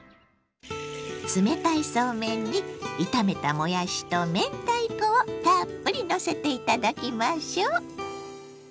冷たいそうめんに炒めたもやしと明太子をたっぷりのせて頂きましょう！